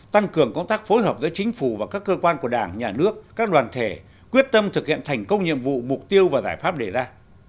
tăng cường công tác phối hợp giữa chính phủ và các cơ quan của đảng nhà nước các đoàn thể quyết tâm thực hiện thành công nhiệm vụ mục tiêu và giải pháp đề ra